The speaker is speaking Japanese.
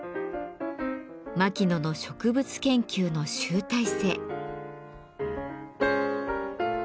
牧野の植物研究の集大成。